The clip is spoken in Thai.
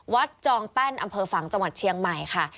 จองแป้นอำเภอฝังจังหวัดเชียงใหม่ค่ะ